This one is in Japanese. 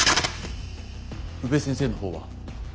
宇部先生の方は？